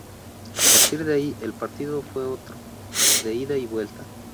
A partir de ahí el partido fue otro, de ida y vuelta.